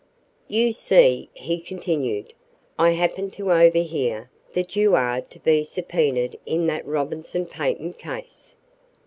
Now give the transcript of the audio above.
"You see," he continued, "I happened to overhear that you are to be subpoenaed in that Robinson patent case.